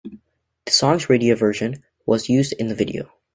The song's radio version was used in the video.